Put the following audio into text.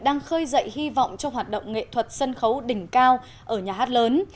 đang khơi dậy hy vọng cho hoạt động nghệ thuật sân khấu đỉnh cao ở nhà hát lớn